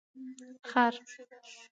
🫏 خر